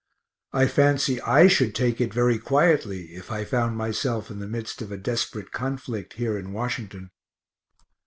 I fancy I should take it very quietly if I found myself in the midst of a desperate conflict here in Washington.